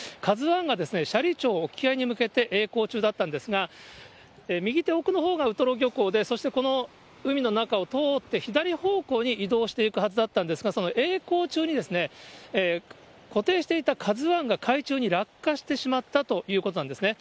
ＫＡＺＵＩが斜里町沖合に向けてえい航中だったんですが、右手奥のほうがウトロ漁港で、そしてこの海の中を通って、左方向に移動していくはずだったんですが、そのえい航中に、固定していたＫＡＺＵＩが海中に落下してしまったということなんですね。